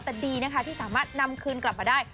แต่ดีนะคะที่สามารถนำคืนกลับมาได้